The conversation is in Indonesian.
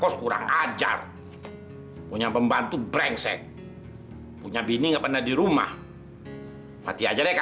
si tony kan lagi di ines